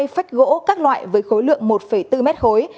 bốn mươi hai phách gỗ các loại với khối lượng một bốn m khối